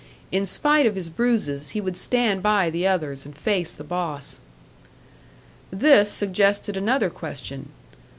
In spite of his bruises, he would stand by the others, and face the boss. This suggested another question.